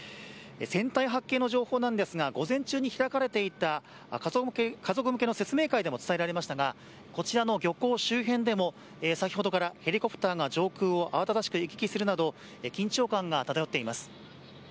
船体発見の情報ですが午前中に開かれていた家族向けの説明会でも伝えられましたがこちらの漁港周辺でも先ほどからヘリコプターが上空を慌ただしく行き来するなど緊張感が漂っています。